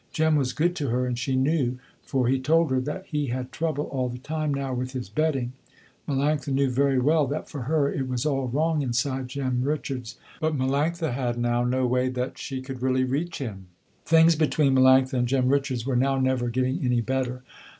Jem was good to her, and she knew, for he told her, that he had trouble all the time now with his betting. Melanctha knew very well that for her it was all wrong inside Jem Richards, but Melanctha had now no way that she could really reach him. Things between Melanctha and Jem Richards were now never getting any better.